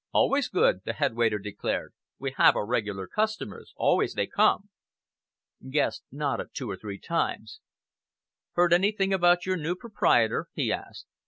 "Always good," the head waiter declared. "We have our regular customers. Always they come!" Guest nodded two or three times. "Heard anything about your new proprietor?" he asked.